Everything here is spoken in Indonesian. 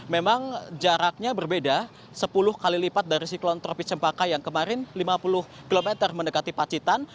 memang jaraknya berbeda sepuluh kali lipat dari siklon tropis cempaka yang kemarin lima puluh km mendekati pacitan